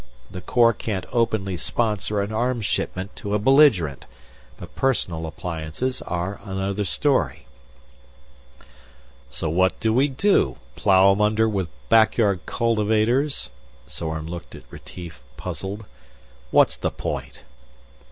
The Corps can't openly sponsor an arms shipment to a belligerent. But personal appliances are another story." "So what do we do plow 'em under with back yard cultivators?" Zorn looked at Retief, puzzled. "What's the point?"